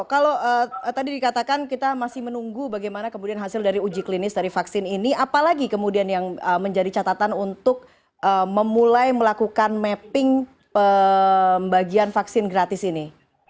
jadi katakan kita masih menunggu bagaimana kemudian hasil dari uji klinis dari vaksin ini apalagi kemudian yang menjadi catatan untuk memulai melakukan mapping bagian vaksin gratis ini